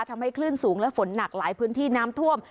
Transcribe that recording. ทำให้คลื่นสูงและฝนหนักหลายพื้นที่น้ำท่วม